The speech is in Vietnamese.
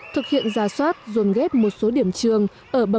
thực hiện giả soát ruồn ghép bình luận bình luận bình luận bình luận bình luận bình luận